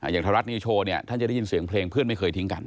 ไทยรัฐนิวโชว์เนี่ยท่านจะได้ยินเสียงเพลงเพื่อนไม่เคยทิ้งกัน